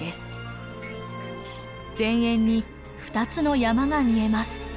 田園に２つの山が見えます。